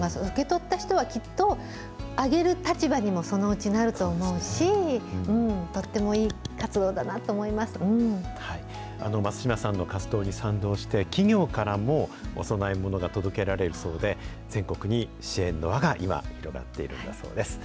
受け取った人はきっと、あげる立場にもそのうちなると思うし、と松島さんの活動に賛同して、企業からもお供えものが届けられるそうで、全国に支援の輪が今、広がっているんだそうです。